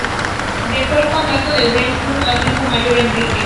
Dejó el Condado de Wernigerode a su hijo mayor, Enrique.